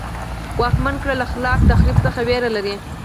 واکمنه کړۍ له خلاق تخریب څخه وېره لري.